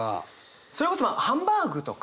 それこそハンバーグとか。